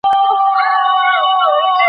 دا مرغلري خریدار نه لري